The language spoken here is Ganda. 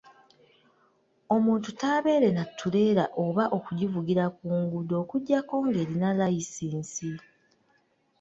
Omuntu tabeere na ttuleera oba okugivugira ku nguudo okuggyako ng'erina layisinsi .